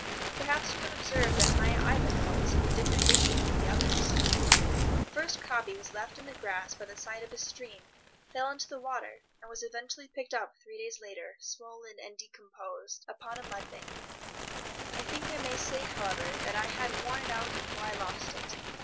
Perhaps you have observed that my "Ivanhoe" is of a different edition from the others. The first copy was left in the grass by the side of a stream, fell into the water, and was eventually picked up three days later, swollen and decomposed, upon a mud bank. I think I may say, however, that I had worn it out before I lost it.